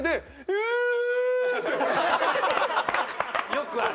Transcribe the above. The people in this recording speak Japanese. よくある。